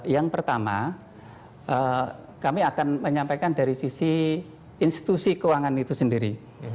yang pertama kami akan menyampaikan dari sisi institusi keuangan itu sendiri